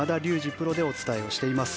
プロでお伝えしています。